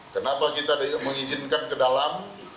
kenapa kita mengizinkan ke dalam